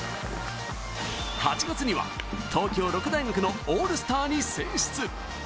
８月には東京六大学のオールスターに選出。